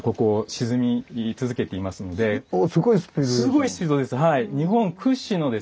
すごいスピードですはい。